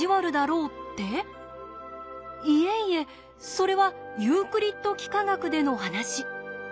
いえいえそれはユークリッド幾何学での話。